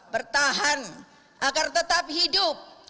bertahan agar tetap hidup